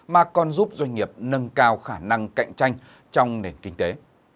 mà còn giúp doanh nghiệp nâng cao khả năng cạnh tranh trong nền kinh tế